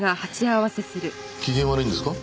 機嫌悪いんですか？